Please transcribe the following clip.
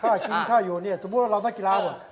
กินค่าอยู่เนี่ยสมมุติว่าเรานักกีฬาหมด